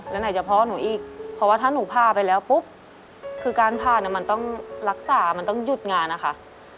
แล้วไหนจะพ่อหนูอีกเพราะว่าถ้าหนูผ่าไปแล้วปุ๊บคือการผ่าน่ะมันต้องรักษามันต้องหยุดงานนะคะ